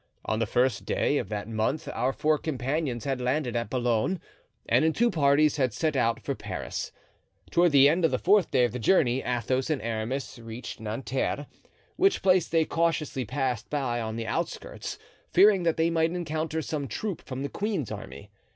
On the first day of that month our four companions had landed at Boulogne, and, in two parties, had set out for Paris. Toward the end of the fourth day of the journey Athos and Aramis reached Nanterre, which place they cautiously passed by on the outskirts, fearing that they might encounter some troop from the queen's army.